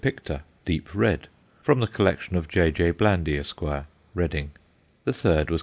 picta_, deep red, from the collection of J.J. Blandy, Esq., Reading. The third was _C.